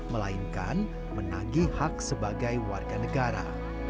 melainkan menagi hak sebagai warga negara